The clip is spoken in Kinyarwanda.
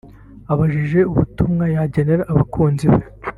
Abajijwe ubutumwa yagenera abakunzi be